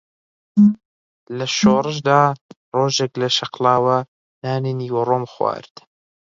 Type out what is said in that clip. لە شۆڕشدا ڕۆژێک لە شەقڵاوە نانی نیوەڕۆم خوارد